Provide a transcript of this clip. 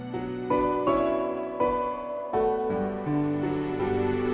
paskudi lo jadi bangsek